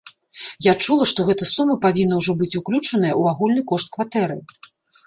Я чула, што гэта сума павінна ўжо быць уключаная ў агульны кошт кватэры.